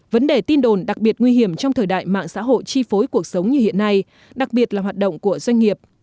vấn đề tin đồn đặc biệt nguy hiểm trong thời đại mạng xã hội chi phối cuộc sống như hiện nay đặc biệt là hoạt động của doanh nghiệp